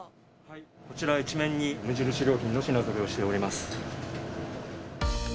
こちら一面に無印良品の品ぞろえをしております。